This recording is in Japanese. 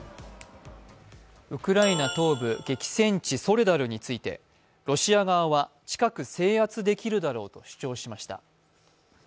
ウクライナ東部激戦地ソレダルについてロシア側は近く制圧できるだろうと主張しました。